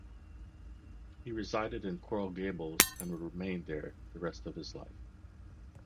He resided in Coral Gables and would remain there the rest of his life.